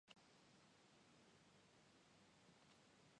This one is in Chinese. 展馆中还展出了珍藏于希伯来大学的爱因斯坦相对论手稿。